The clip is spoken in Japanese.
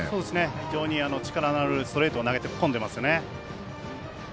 非常に力のあるストレートを投げ込んでますよね。